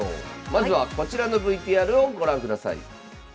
まずはこちらのＶＴＲをご覧ください。